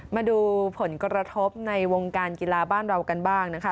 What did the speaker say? มาดูผลกระทบในวงการกีฬาบ้านเรากันบ้างนะคะ